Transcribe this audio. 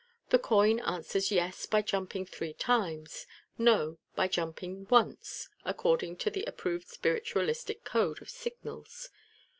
The coin answers " Yes *' by jumping three times, " No " by jumping once — according to the approved spiritualistic code of sig nals.